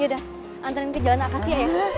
yaudah antren ke jalan akasia ya